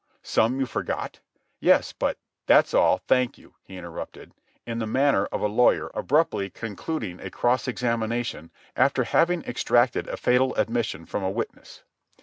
"Some you forget?" "Yes, but—" "That's all, thank you," he interrupted, in the manner of a lawyer abruptly concluding a cross examination after having extracted a fatal admission from a witness.